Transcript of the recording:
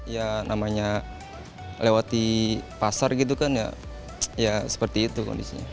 ya namanya lewati pasar gitu kan ya seperti itu kondisinya